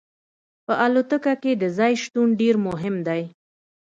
په الوتکه کې د ځای شتون ډیر مهم دی